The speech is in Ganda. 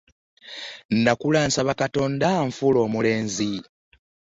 nnakula nsaba katonda anfuule omulenzi.